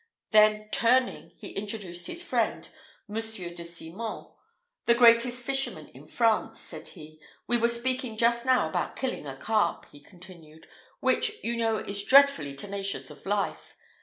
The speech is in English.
Then turning, he introduced his friend, Monsieur de Simon. "The greatest fisherman in France," said he: "we were speaking just now about killing a carp," he continued, "which, you know is dreadfully tenacious of life.